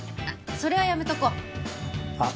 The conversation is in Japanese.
それはやめとこうはっ？